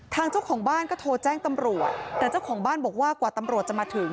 เจ้าของบ้านก็โทรแจ้งตำรวจแต่เจ้าของบ้านบอกว่ากว่าตำรวจจะมาถึง